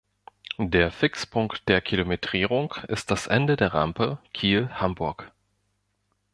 Der Fixpunkt der Kilometrierung ist das Ende der Rampe Kiel-Hamburg.